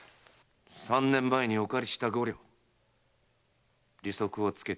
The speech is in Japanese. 三年前にお借りした五両利息をつけて返しに来たんだ。